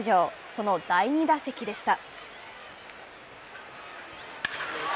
その第２打席でした。